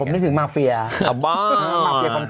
ผมนึกถึงมาเฟียคำตอบ